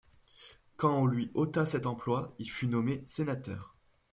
Quand on lui ôta cet emploi, il fut nommé sénateur.